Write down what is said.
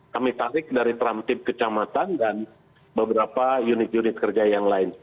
kami tarik dari teramtip kecamatan dan beberapa unit unit kerja yang lain